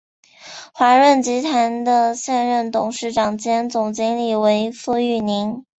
华润集团的现任董事长兼总经理为傅育宁。